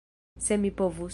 Se mi povus!